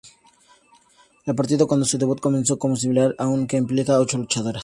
El partido cuando su debut comenzó como similar a un que implica ocho luchadoras.